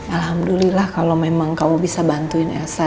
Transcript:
alhamdulillah kalau memang kamu bisa bantuin elsa